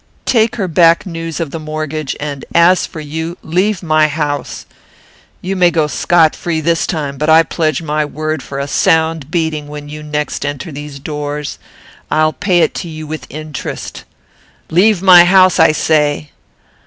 Take her back news of the mortgage; and, as for you, leave my house. You may go scot free this time; but I pledge my word for a sound beating when you next enter these doors. I'll pay it to you with interest. Leave my house, I say!"